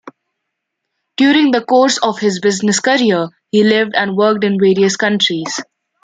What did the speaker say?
During the course of his business career he lived and worked in various countries.